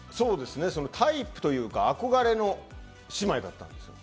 タイプというか憧れの姉妹だったんですよ。